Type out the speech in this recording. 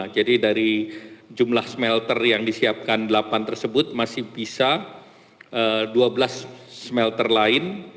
jadi dari jumlah smelter yang disiapkan delapan tersebut masih bisa dua belas smelter lain